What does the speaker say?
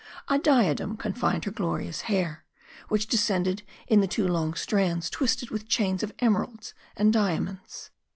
A diadem confined her glorious hair, which descended in the two long strands twisted with chains of emeralds and diamonds.